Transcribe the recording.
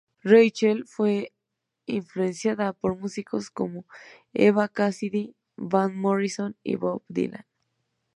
Rachel fue influenciada por músicos como Eva Cassidy, Van Morrison y Bob Dylan.